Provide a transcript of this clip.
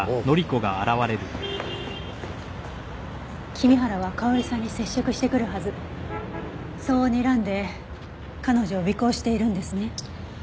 君原は香織さんに接触してくるはずそうにらんで彼女を尾行しているんですね？